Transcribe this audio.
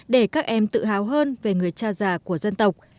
để các em tự hào hơn về người cha già của dân tộc